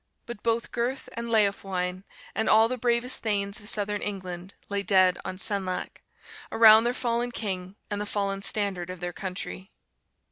But both Gurth and Leofwine, and all the bravest thanes of Southern England, lay dead on Senlac, around their fallen king and the fallen standard of their country.